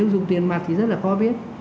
dùng tiền mặt thì rất là khó biết